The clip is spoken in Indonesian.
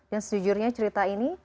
dan sejujurnya cerita ini